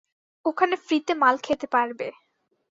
ওখানে ফ্রিতে মাল খেতে পারবে।